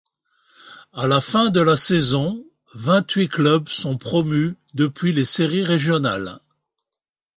À la fin de la saison, vingt-huit clubs sont promus depuis les séries régionales.